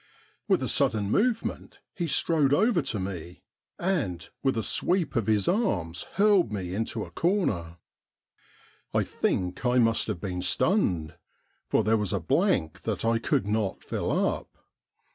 With a sudden movement he strode over to me, and, with a sweep of his arms, hurled me into a corner. I think I must have been stunned, for there was a blank that I could not fill up.